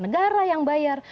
negara yang bayar